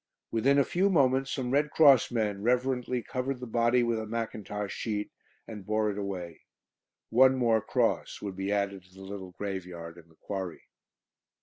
Within a few moments some Red Cross men reverently covered the body with a mackintosh sheet and bore it away. One more cross would be added to the little graveyard in the Quarry.